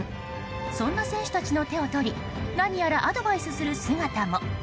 そんな選手たちの手を取り何やらアドバイスする姿も。